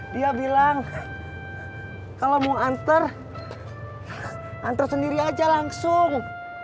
dia bilang kalo mau anter anter sendiri aja langsung